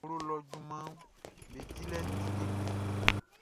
Wie liɛʼn, awlo lɔ junmanʼm be dilɛʼn ti kekle.